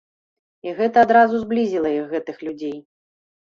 І гэта адразу зблізіла іх, гэтых людзей.